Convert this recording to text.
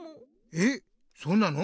えっそうなの？